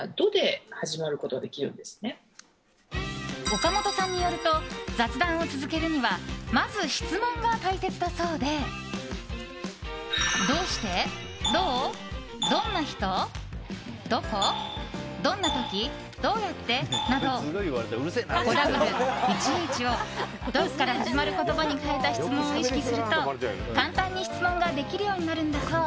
岡本さんによると雑談を続けるにはまず質問が大切だそうでどうして、どう、どんな人どこ、どんな時、どうやってなど５Ｗ１Ｈを「ど」から始まる言葉に変えた質問を意識すると簡単に質問ができるようになるんだそう。